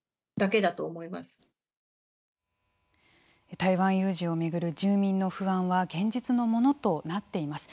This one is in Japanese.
台湾有事を巡る住民の不安は現実のものとなっています。